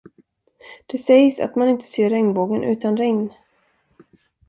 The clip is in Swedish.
Det sägs att man inte ser regnbågen utan regn.